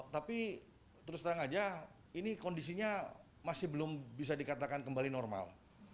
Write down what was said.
tapi terus terang aja ini kondisinya masih belum bisa dikatakan kembali normal